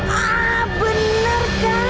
ah bener kan